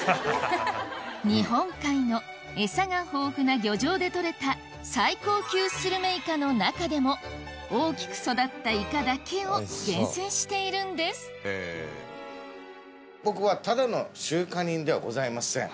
日本海のエサが豊富な漁場で取れた最高級スルメイカの中でも大きく育ったイカだけを厳選しているんです僕はただの集荷人ではございません。